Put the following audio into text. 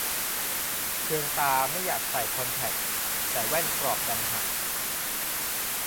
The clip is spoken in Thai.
เคืองตาไม่อยากใส่คอนแทค แต่แว่นกรอบดันหัก